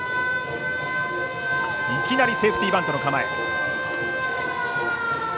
いきなりセーフティーバントの構え。